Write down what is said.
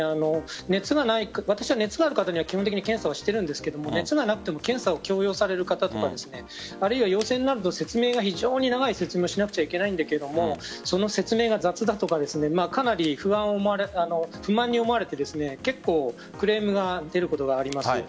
熱がある方には基本的に検査をしているんですが熱がなくても検査を強要される方ですとか陽性になると説明が非常に長いんだけどもその説明が雑だとかかなり不満に思われて結構、クレームが出ることがあります。